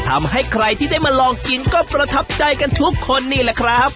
ทำให้ใครที่ได้มาลองกินก็ประทับใจกันทุกคนนี่แหละครับ